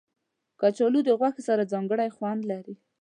کچالو د غوښې سره ځانګړی خوند لري